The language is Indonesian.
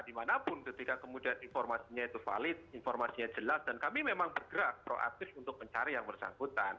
dimanapun ketika kemudian informasinya itu valid informasinya jelas dan kami memang bergerak proaktif untuk mencari yang bersangkutan